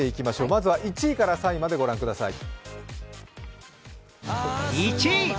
まずは１位から３位までご覧ください。